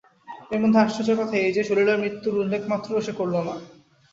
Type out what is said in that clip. এর মধ্যে আশ্চর্যের কথা এই যে, সলিলার মৃত্যুর উল্লেখমাত্রও সে করল না।